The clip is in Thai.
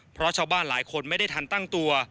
เพราะชาวบ้านหลายคนไม่ได้ทันตั้งตัว